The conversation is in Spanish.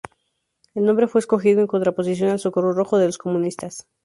El nombre fue escogido en contraposición al Socorro Rojo de los comunistas.